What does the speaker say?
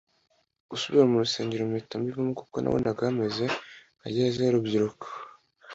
gusubira murusengero mpita mbivamo kuko nabonaga hameze nka gereza y’urubyiruko.